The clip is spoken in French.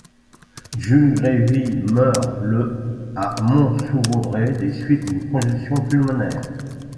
Jules Grévy meurt le à Mont-sous-Vaudrey des suites d'une congestion pulmonaire.